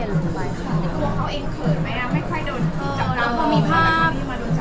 เพราะเขามีภาพ